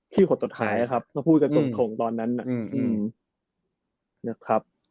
คี่ขดสุดท้ายครับพูดกันตรงตอนนั้นนะ